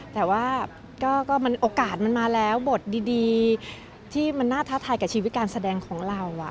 แต่ว่าก็มันโอกาสมันมาแล้วบทดีที่มันน่าท้าทายกับชีวิตการแสดงของเรา